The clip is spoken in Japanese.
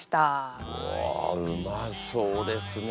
うわうまそうですね。